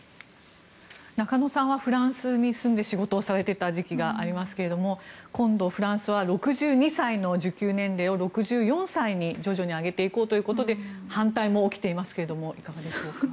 中野さんはフランスに住んで仕事をされていた時期がありますが今度、フランスは６２歳の受給年齢を６４歳に徐々に上げていこうということで反対も起きていますがいかがでしょうか。